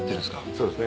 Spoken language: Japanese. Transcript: そうですね。